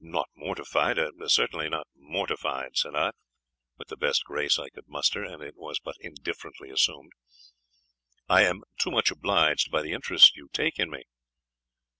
"Not mortified, certainly not mortified," said I, with the best grace I could muster, and it was but indifferently assumed; "I am too much obliged by the interest you take in me."